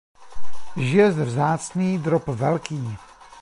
Žije zde vzácný drop velký.